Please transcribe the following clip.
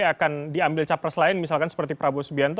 akan diambil capres lain misalkan seperti prabowo subianto